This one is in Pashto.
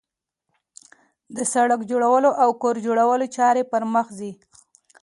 د سړک جوړولو او کور جوړولو چارې پرمخ ځي